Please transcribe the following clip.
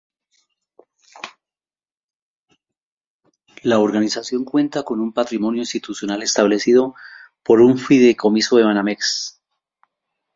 La organización cuenta con un patrimonio institucional establecido por un fideicomiso de Banamex.